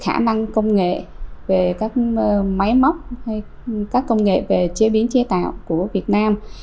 khả năng công nghệ về các máy móc các công nghệ về chế biến chế tạo của việt nam